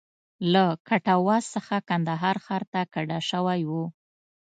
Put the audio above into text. له کټواز څخه کندهار ښار ته کډه شوی و.